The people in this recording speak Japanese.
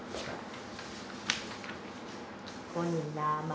ここに名前。